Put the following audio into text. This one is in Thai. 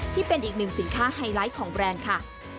ที่เป็นอีกหนึ่งสินค้าไฮไลท์ของแบรนด์ค่ะ